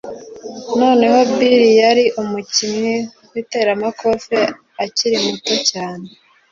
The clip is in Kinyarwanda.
noneho bill yari umukinnyi w'iteramakofe akiri muto cyane